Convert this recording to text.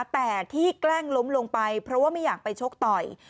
แต่ที่แกล้งล้มลงไปเพราะว่าไม่อยากไปชกต่อย